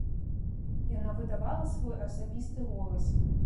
Яна выдавала свой асабісты голас.